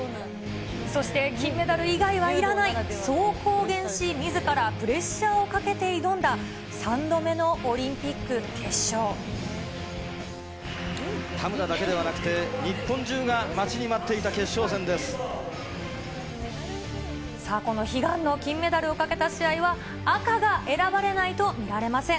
そして金メダル以外はいらない、そう公言し、みずからプレッシャーをかけて挑んだ３度目のオ田村だけではなくて、日本中さあ、この悲願の金メダルをかけた試合は、赤が選ばれないと見られません。